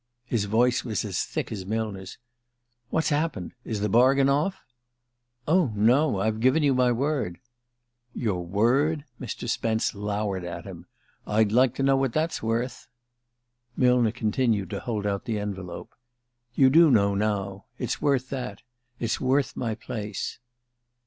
His voice was as thick as Millner's. "What's happened? Is the bargain off?" "Oh, no. I've given you my word." "Your word?" Mr. Spence lowered at him. "I'd like to know what that's worth!" Millner continued to hold out the envelope. "You do know, now. It's worth that. It's worth my place."